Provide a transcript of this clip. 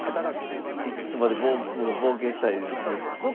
「いくつまでも冒険したいです」。